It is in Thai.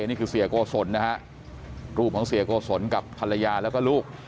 นี่คือเสียโกศลนะฮะรูปของเสียโกศลกับภรรยาแล้วก็ลูก